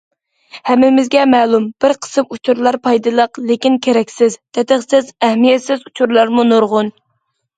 ھەممىمىزگە مەلۇم، بىر قىسىم ئۇچۇرلار پايدىلىق، لېكىن كېرەكسىز، تېتىقسىز، ئەھمىيەتسىز ئۇچۇرلارمۇ نۇرغۇن.